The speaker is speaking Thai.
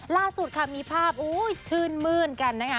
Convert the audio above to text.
ล่าสุดมีภาพโชคดีกัน